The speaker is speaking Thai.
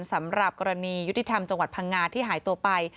สำหรับกรณียุติธรรมจังหวัดพังงาที่หายตัวไป